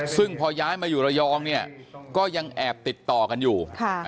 ซึ่งพอย้ายมาอยู่ระยองเนี่ยก็ยังแอบติดต่อกันอยู่